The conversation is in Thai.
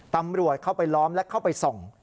ตำรวจเข้าไปล้อมและเข้าไปส่อง